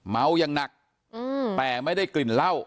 เมาอย่างหนักแต่ไม่ได้กลิ่นเหล้า